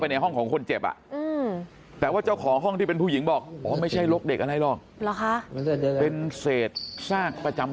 เป็นเสธชาติประจำเดือนกระสุนฤทธิ์ค้า